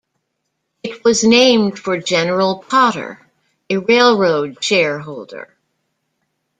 It was named for General Potter, a railroad shareholder.